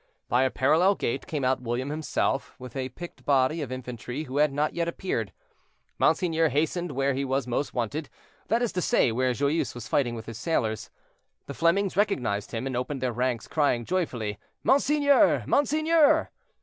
By a parallel gate came out William himself, with a picked body of infantry who had not yet appeared. Monseigneur hastened where he was most wanted, that is to say, where Joyeuse was fighting with his sailors. The Flemings recognized him, and opened their ranks, crying, joyfully, "Monseigneur! monseigneur!"